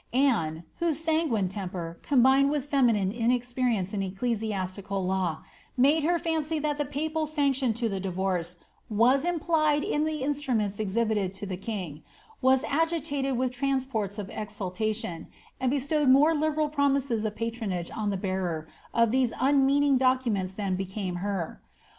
Anne, whose sanguine temper, combined with feminine in experience in ecclesiastical law, made her fancy that the papal sanction to the divorce was implied in the instruments exhibited to the king, was agitated with transports of exultation, and bestowed more liberal pro mises of patronage on the bearer of these unmeaning documents than became her.